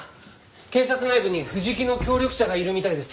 警察内部に藤木の協力者がいるみたいです。